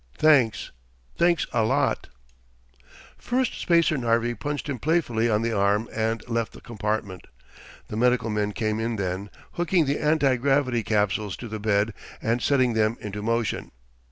"Thanks. Thanks a lot." Firstspacer Narvi punched him playfully on the arm and left the compartment. The medical men came in then, hooking the anti gravity capsules to the bed and setting them into motion.